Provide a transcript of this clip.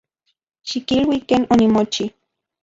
Xikilui ken onimochi.